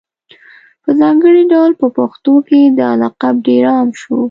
په ځانګړي ډول په پښتنو کي دا لقب ډېر عام شو